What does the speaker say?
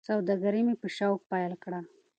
سوداګري مې په شوق پیل کړه.